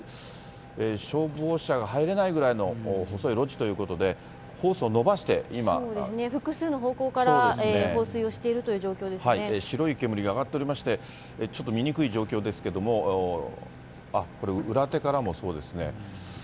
消火活動は恐らく消防車が入れないぐらいの細い路地ということで、複数の方向から放水をしてい白い煙が上がっておりまして、ちょっと見にくい状況ですけれども、あっ、これ、裏手からもそうですね。